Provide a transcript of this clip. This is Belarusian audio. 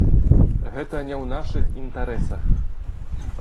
Гэта не ў нашых інтарэсах.